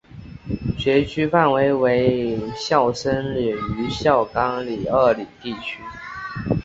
学区范围为孝深里与孝冈里二里地区。